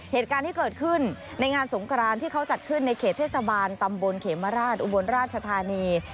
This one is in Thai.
เหตุการณ์ที่เกิดขึ้นในงานสงครานที่เขาจัดขึ้นในเขตเทศบาลตำบลเขมราชอุบลราชธานี